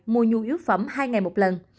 mua nhu yếu phẩm hai ngày một lần